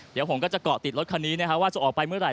เดี๋ยวผมก็จะเกาะติดรถคันนี้นะครับว่าจะออกไปเมื่อไห